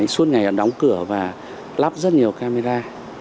suốt ngày họ đóng cửa và lắp rất nhiều camera